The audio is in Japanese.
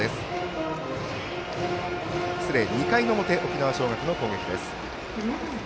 ２回の表の沖縄尚学の攻撃です。